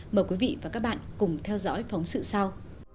mời quý vị và các bạn cùng theo dõi phóng sự sau